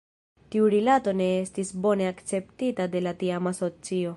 Tiu rilato ne estis bone akceptita de la tiama socio.